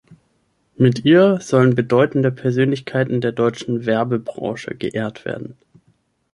Mit ihr sollen bedeutende Persönlichkeiten der deutschen Werbebranche geehrt werden.